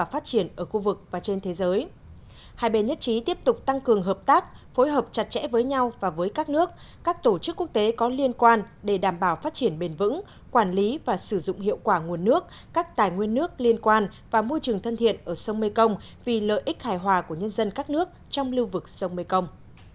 hai bên nhất trí tiếp tục tăng cường hợp tác phối hợp chặt chẽ với nhau và với các nước các tổ chức quốc tế có liên quan để đảm bảo phát triển bền vững quản lý và sử dụng hiệu quả nguồn nước các tài nguyên nước liên quan và môi trường thân thiện ở sông mekong vì lợi ích hài hòa của nhân dân các nước trong lưu vực sông mekong